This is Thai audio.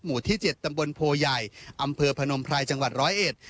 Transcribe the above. ที่เจ็ดตำบลโพใหญ่อำเภอพนมไพรจังหวัดร้อยเอ็ด